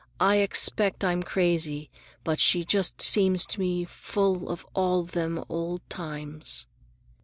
I expect I'm crazy, but she just seems to me full of all them old times!"